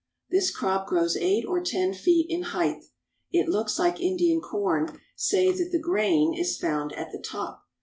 This crop grows eight or ten feet in height. It looks like Indian corn, save that the grain is found at the top.